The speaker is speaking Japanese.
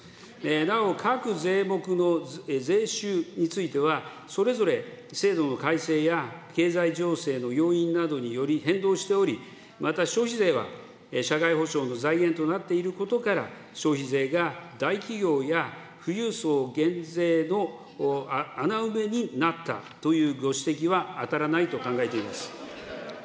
なお、各税目の税収については、それぞれ、制度の改正や経済情勢の要因などにより変動しており、また、消費税は社会保障の財源となっていることから、消費税が、大企業や富裕層減税の穴埋めになったというご指摘は当たらないと考えています。